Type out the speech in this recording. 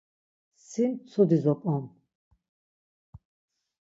Si mtsudi zop̌on.